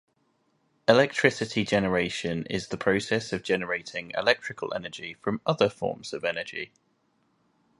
Electricity generation is the process of generating electrical energy from other forms of energy.